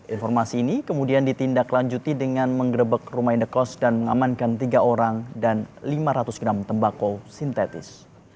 informasi ini kemudian ditindaklanjuti dengan menggerebek rumah indekos dan mengamankan tiga orang dan lima ratus gram tembakau sintetis